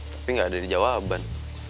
tapi enggak ada jawaban